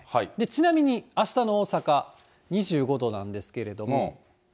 ちなみに、あしたの大阪２５度なんですけれども。